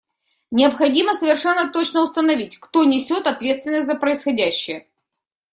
Необходимо совершенно точно установить, кто несет ответственность за происходящее.